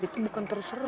itu bukan terserah